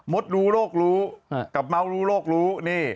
มดรู้โรครู้กับเม้ารู้โรครู้